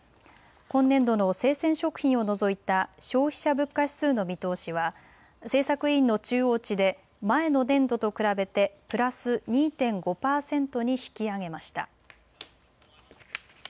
今年度の生鮮食品を除いた消費者物価指数の見通しは政策委員の中央値で前の年度と比べてプラス２．５％に引き上げました。